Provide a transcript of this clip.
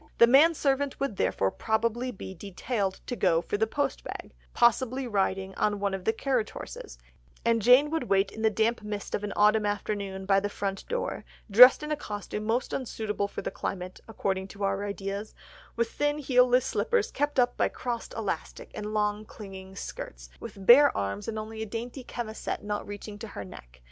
The man servant would therefore probably be detailed to go for the post bag, possibly riding on one of the carriage horses; and Jane would wait in the damp mist of an autumn afternoon by the front door, dressed in a costume most unsuitable for the climate, according to our ideas, with thin heel less slippers kept up by crossed elastic, and long clinging skirts, with bare arms and only a dainty chemisette not reaching to her neck.